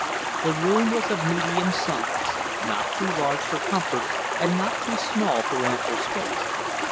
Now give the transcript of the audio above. The room was of medium size not too large for comfort and not too small for ample space.